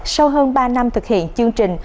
sau hơn ba năm thực hiện chương trình